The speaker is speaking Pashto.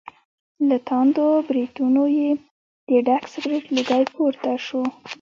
له تاندو برېتونو یې د ډک سګرټ لوګی پور ته شو.